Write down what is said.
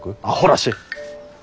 あほらしい！